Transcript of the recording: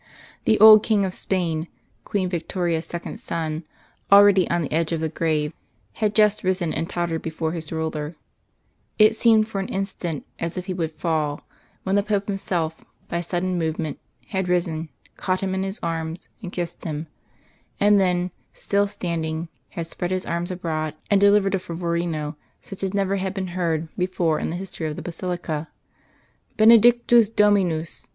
The old King of Spain (Queen Victoria's second son), already on the edge of the grave, had just risen and tottered before his Ruler; it seemed for an instant as if he would fall, when the Pope himself, by a sudden movement, had risen, caught him in his arms and kissed him; and then, still standing, had spread his arms abroad and delivered a fervorino such as never had been heard before in the history of the basilica. "_Benedictus Dominus!